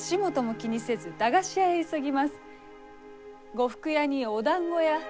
呉服屋におだんご屋。